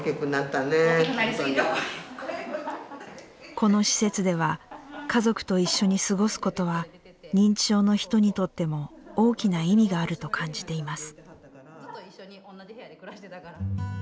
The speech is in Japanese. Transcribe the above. この施設では家族と一緒に過ごすことは認知症の人にとっても大きな意味があると感じています。